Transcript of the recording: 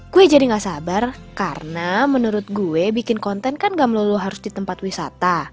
gue jadi gak sabar karena menurut gue bikin konten kan gak melulu harus di tempat wisata